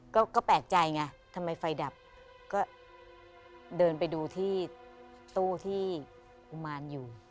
ก็แปลกใจไงทำไมไฟดับก็เดินไปดูที่ตู้ที่กุมารอยู่